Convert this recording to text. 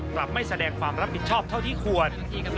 กลับไม่แสดงความรับผิดชอบเท่าที่ควร